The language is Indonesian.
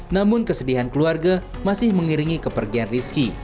namun kesedihan keluarga masih mengiringi kepergian rizky